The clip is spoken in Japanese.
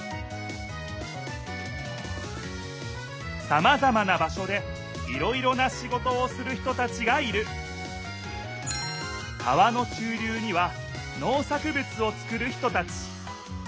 さまざまな場所でいろいろなシゴトをする人たちがいる川の中りゅうにはのう作ぶつを作る人たち。